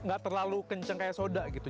gak terlalu kenceng kayak soda gitu